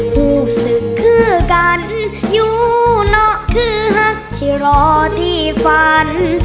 ผู้ศึกคือกันอยู่เนาะคือฮักที่รอที่ฝัน